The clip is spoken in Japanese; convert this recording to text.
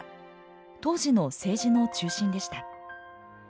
当時の政治の中心でした。